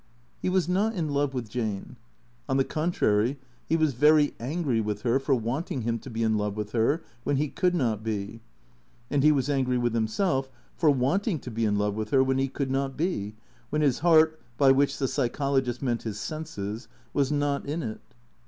He was not in love with Jane. On the contrary, he was very angry with her for wanting him to be in love with her when he could not be. And he was angry with himself for wanting to be in love with her when he could not be, when his heart (by which the psychologist meant his senses) was not in it.